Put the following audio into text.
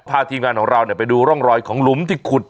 พาทีมงานของเราไปดูร่องรอยของหลุมที่ขุด